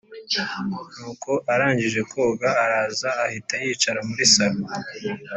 nuko arangije koga araza ahita yicara muri sallon.